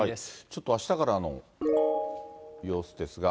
ちょっとあしたからの様子ですが。